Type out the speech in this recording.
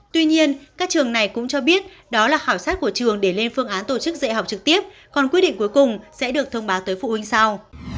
tuy nhiên các trường này cũng cho biết đó là khảo sát của trường để lên phương án tổ chức dạy học trực tiếp còn quyết định cuối cùng sẽ được thông báo tới phụ huynh sau